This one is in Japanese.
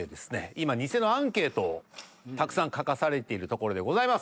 今ニセのアンケートをたくさん書かされているところでございます。